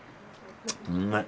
うまい！